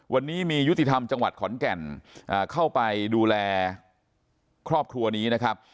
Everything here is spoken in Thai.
วันนี้มียุติธรรมจังหวัดขอนแก่นเข้าไปดูแลครอบครัวนี้นะครับ